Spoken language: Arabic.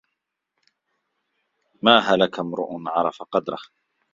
مَا هَلَكَ امْرُؤٌ عَرَفَ قَدْرَهُ